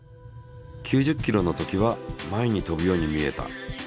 ９０キロのときは前に飛ぶように見えた。